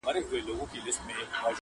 موږ په اصل او نسب سره خپلوان یو.!